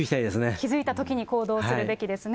気付いたときに行動するべきですね。